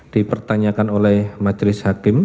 dipertanyakan oleh majelis hakim